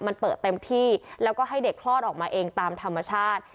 มันเปิดเต็มที่แล้วก็ให้เด็กคลอดออกมาเองตามธรรมชาติ